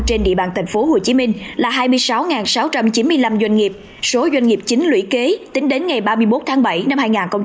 trên địa bàn tp hcm là hai mươi sáu sáu trăm chín mươi năm doanh nghiệp số doanh nghiệp chính lũy kế tính đến ngày ba mươi một tháng bảy năm hai nghìn hai mươi